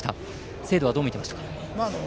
精度はどう見ていましたか。